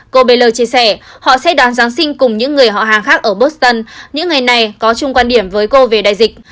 cô bé chia sẻ họ sẽ đón giáng sinh cùng những người họ hàng khác ở boston những ngày này có chung quan điểm với cô về đại dịch